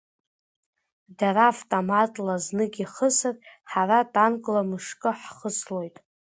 Дара втоматла знык ихысыр, ҳара танкла мышкы ҳхыслоит!